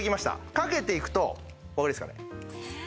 かけていくとおわかりですかね。